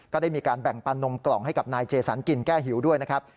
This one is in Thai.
ก็ได้มีการแบ่งปันนมกล่องให้กับนายเจสันกินแก้หิวด้วยนะครับ